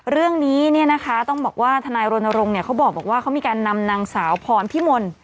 เรื่องนี้เนี่ยนะคะต้องบอกว่าทนายรณรงค์เขาบอกว่าเขามีการนำนางสาวพรพิมล